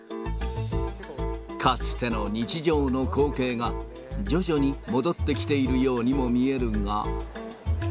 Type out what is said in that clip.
かつての日常の光景が、徐々に戻ってきているようにもみえるが。